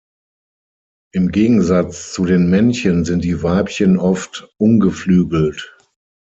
Im Gegensatz zu den Männchen sind die Weibchen oft ungeflügelt.